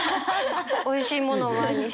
おいしいものを前にして。